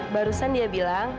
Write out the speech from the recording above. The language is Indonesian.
barusan dia bilang